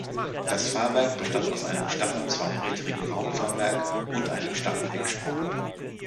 Das Fahrwerk bestand aus einem starren zweirädrigen Hauptfahrwerk und einem starren Hecksporn.